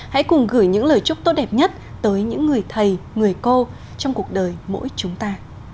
hãy cùng gửi những lời chúc tốt đẹp nhất tới những người thầy người cô trong cuộc đời mỗi chúng ta